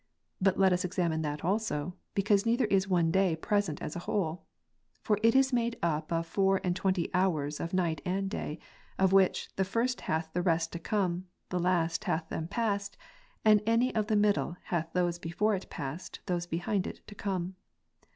But let us examine that also ; because neither is one day present as a whole. For it is made up of four and twenty hours of night and day : of which, the first hath the rest to come ; the last hath them past ; and any of the middle hath those before it past, those behind it to come.